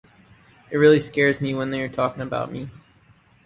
It really scares me when they are talking about me.